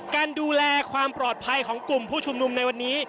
การดูแลความปลอดภัยของกลุ่มผู้ชุมนุมในวันนี้